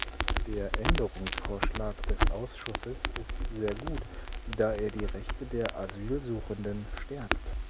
Der Änderungsvorschlag des Ausschusses ist sehr gut, da er die Rechte der Asylsuchenden stärkt.